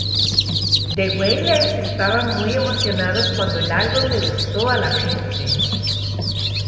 The Wailers estaban muy emocionados cuando el álbum le gustó a la gente.